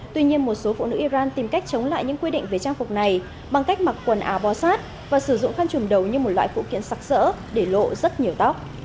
tuy nhiên một số phụ nữ iran tìm cách chống lại những quy định về trang phục này bằng cách mặc quần áo bò sát và sử dụng khăn trùm đầu như một loại phụ kiện sạc sỡ để lộ rất nhiều tóc